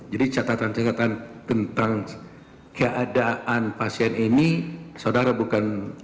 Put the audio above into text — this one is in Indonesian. jadi catatan catatan tentang keadaan pasien ini saudara bukan